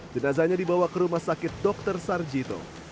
jenazahnya dibawa ke rumah sakit dr sarjito